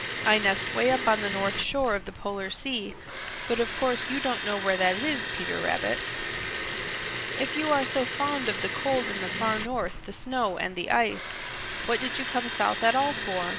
I nest 'way up on the shore of the Polar Sea, but of course you don't know where that is, Peter Rabbit." "If you are so fond of the cold in the Far North, the snow and the ice, what did you come south at all for?